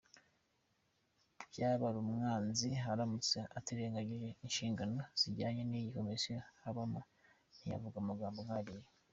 Byabarumwanzi aramutse atirengagije inshingano zijyanye n’iyi Komisiyo abamo ntiyavuga amagambo nkariya.